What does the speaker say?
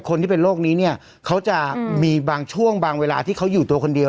คนที่เป็นโรคนี้เนี่ยเขาจะมีบางช่วงบางเวลาที่เขาอยู่ตัวคนเดียว